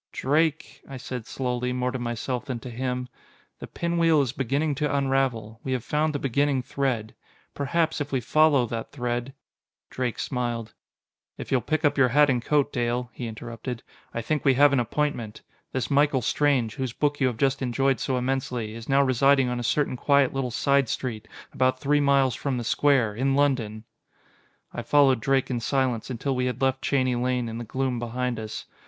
"Drake," I said slowly, more to myself than to him, "the pinwheel is beginning to unravel. We have found the beginning thread. Perhaps, if we follow that thread...." Drake smiled. "If you'll pick up your hat and coat, Dale," he interrupted, "I think we have an appointment. This Michael Strange, whose book you have just enjoyed so immensely, is now residing on a certain quiet little side street about three miles from the square, in London!" I followed Drake in silence, until we had left Cheney Lane in the gloom behind us.